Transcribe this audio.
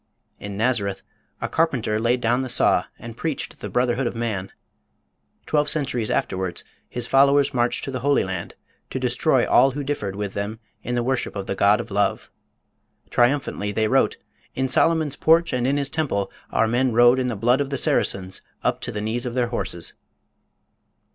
In Nazareth a carpenter laid down the saw and preached the brotherhood of man. Twelve centuries afterwards his followers marched to the Holy Land to destroy all who differed with them in the worship of the God of Love. Triumphantly they wrote "In Solomon's Porch and in his temple our men rode in the blood of the Saracens up to the knees of their horses."